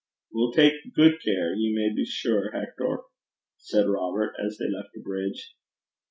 'We'll tak gude care, ye may be sure, Hector,' said Robert, as they left the bridge.